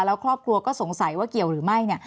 แล้วครอบครัวก็สงสัยว่าเกี่ยวหรือไม่เนี่ย